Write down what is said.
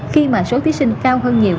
khi mà số thi sinh cao hơn nhiều